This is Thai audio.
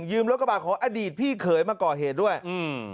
รถกระบะของอดีตพี่เขยมาก่อเหตุด้วยอืม